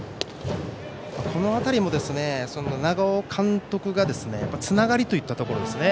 この辺りも長尾監督がつながりと言ったところですね。